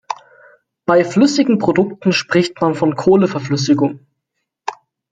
Bei flüssigen Produkten spricht man von Kohleverflüssigung.